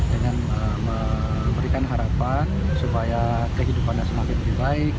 dengan memberikan harapan supaya kehidupannya semakin lebih baik